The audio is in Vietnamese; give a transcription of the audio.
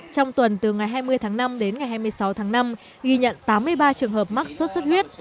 trong tuần từ ngày hai mươi tháng năm đến ngày hai mươi sáu tháng năm ghi nhận tám mươi ba trường hợp mắc sốt xuất huyết